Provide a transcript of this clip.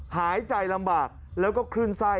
หายใจลำบากแล้วก็คลื่นไส้